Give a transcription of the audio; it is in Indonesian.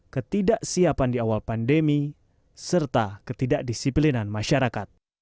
ketidaksiapan di awal pandemi serta ketidakdisiplinan masyarakat